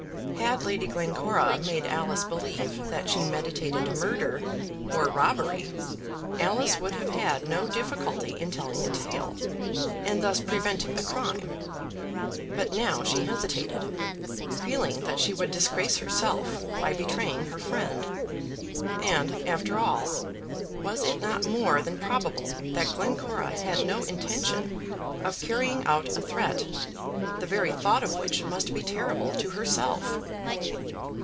Had Lady Glencora made Alice believe that she meditated murder, or robbery, Alice would have had no difficulty in telling the tale, and thus preventing the crime. But now she hesitated, feeling that she would disgrace herself by betraying her friend. And, after all, was it not more than probable that Glencora had no intention of carrying out a threat the very thought of which must be terrible to herself?